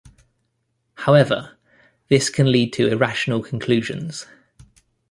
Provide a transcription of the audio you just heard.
However this can lead to irrational conclusions.